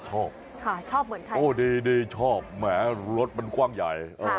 ชอบเหมือนใครโอ้ดีชอบแหมรถมันกว้างใหญ่